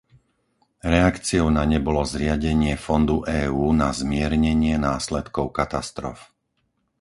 Reakciou na ne bolo zriadenie fondu EÚ na zmiernenie následkov katastrof.